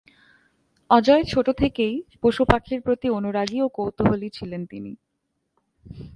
অজয় ছোটো থেকেই পশু-পাখির প্রতি অনুরাগী ও কৌতূহলী ছিলেন তিনি।